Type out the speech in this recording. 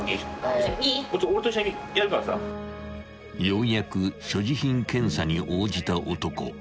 ［ようやく所持品検査に応じた男］